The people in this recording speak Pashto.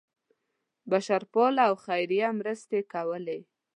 بشرپاله او خیریه مرستې کولې.